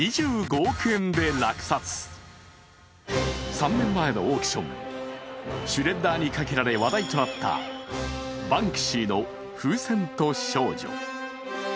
３年前のオークション、シュレッダーにかけられ話題となったバンクシーの「風船と少女」。